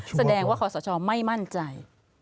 แสดงว่าขอสชไม่มั่นใจ